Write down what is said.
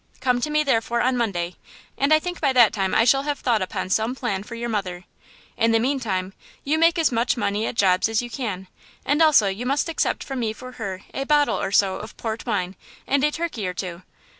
Come to me, therefore, on Monday, and I think by that time I shall have thought upon some plan for your mother. In the mean time, you make as much money at jobs as you can, and also you must accept from me for her a bottle or so of port wine and a turkey or two.